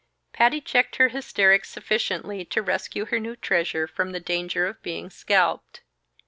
Patty checked her hysterics sufficiently to rescue her new treasure from the danger of being scalped.